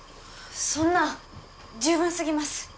そんな十分すぎます